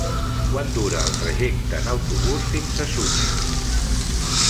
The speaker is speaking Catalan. Quant dura el trajecte en autobús fins a Sunyer?